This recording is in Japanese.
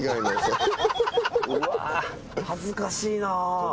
うわ恥ずかしいな。